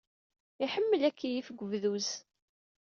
Iḥemmel ad ikeyyef deg webduz.